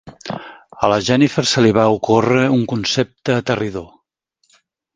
A la Jennifer se li va ocórrer un concepte aterridor.